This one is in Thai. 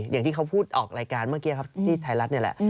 อย่างที่เขาพูดออกรายการเมื่อกี้ครับที่ไทยรัฐนี่แหละ